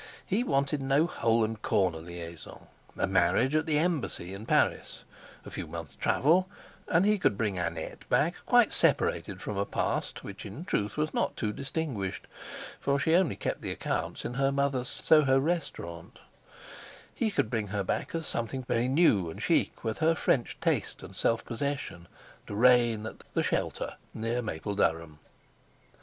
He wanted no hole and corner liaison. A marriage at the Embassy in Paris, a few months' travel, and he could bring Annette back quite separated from a past which in truth was not too distinguished, for she only kept the accounts in her mother's Soho Restaurant; he could bring her back as something very new and chic with her French taste and self possession, to reign at "The Shelter" near Mapledurham.